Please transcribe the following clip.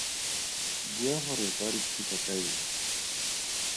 Bua gore ba re thusa ka eng.